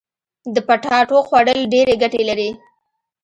د پټاټو خوړل ډيري ګټي لري.